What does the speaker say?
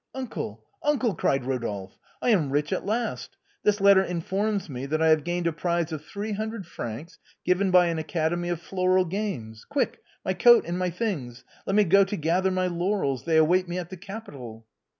" Uncle ! Uncle !" cried Eodolphe, " I am rich at last ! This letter informs me that I have gained a prize of three hundred francs, given by an academy of floral games. Quick ! my coat and my things ! Let me go to gather my laurels. They await me at the Capitol